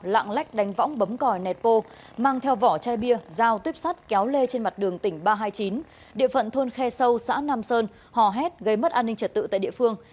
lạng lách đánh võng bấm còi nẹt bô mang theo vỏ chai bia dao tuyếp sắt kéo lê trên mặt đường tỉnh ba trăm hai mươi chín địa phận thôn khe sâu xã nam sơn hò hét gây mất an ninh trật tự tại địa phương